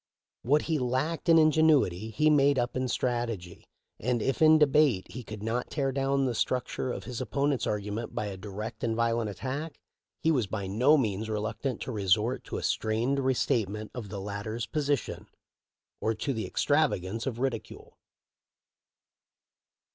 What he lacked in ingenuity he made up in strategy, and if in debate he could not tear down the struct ure of this opponent's argument by a direct and violent attack, he was by no means reluctant to resort to a strained restatement of the latter's po sition or to the extravagance of ridicule.